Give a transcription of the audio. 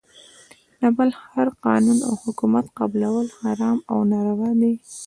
د بل هر قانون او حکومت قبلول حرام او ناروا دی .